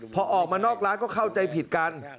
พอออกมานอกร้านก็เข้าใจผิดกัน